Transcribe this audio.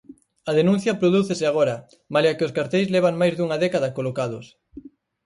A denuncia prodúcese agora malia que os carteis levan máis dunha década colocados.